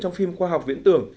trong phim khoa học viễn tưởng